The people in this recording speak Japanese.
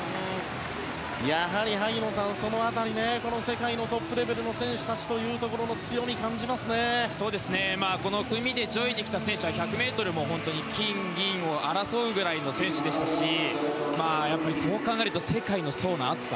やはり萩野さんその辺りこの世界のトップレベルの選手たちというところのこの組で上位に来た選手は１００ｍも金、銀を争うくらいの選手でしたしそう考えると世界の層の厚さ